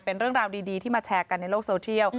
เป็นเรื่องราวดีที่มาแชร์กันในโลกโซเทียล